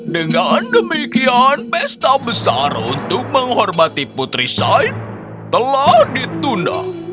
dengan demikian pesta besar untuk menghormati putri said telah ditunda